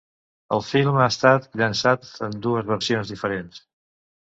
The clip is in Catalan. El film h estat llançat en dues versions diferents.